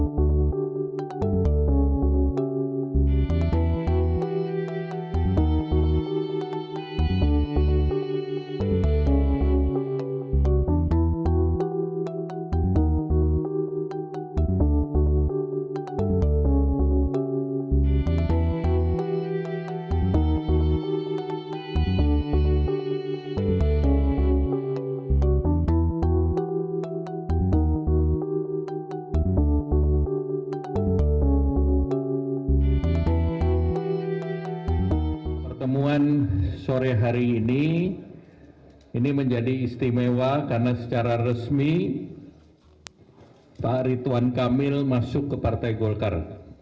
pertama saya ingin berterima kasih kepada pak ritwan kamil yang masuk ke partai golkar